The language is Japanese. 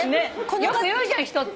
よく言うじゃん人って。